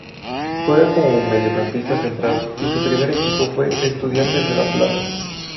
Juega como mediocampista central y su primer equipo fue Estudiantes de La Plata.